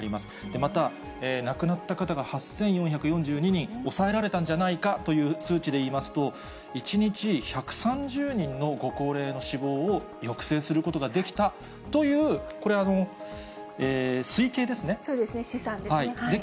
また、亡くなった方が８４４２人抑えられたんじゃないかという数値で言いますと、１日１３０人のご高齢の死亡を抑制することができたという、そうですね、試算ですね。